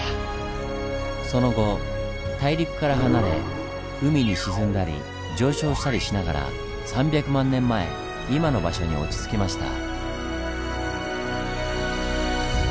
その後大陸から離れ海に沈んだり上昇したりしながら３００万年前今の場所に落ち着きました。